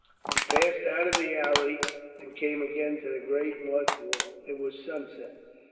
They passed out of the alley and came again to the great mud wall. It was sunset.